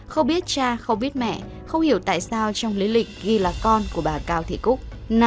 không biết cha không biết mẹ không hiểu tại sao trong lý lịch ghi là con của bà cao thị cúc